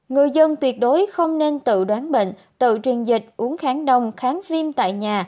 người dân tuyệt đối không nên tự đoán bệnh tự truyền dịch uống kháng đông kháng viêm tại nhà